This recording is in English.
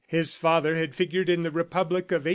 His father had figured in the Republic of 1848.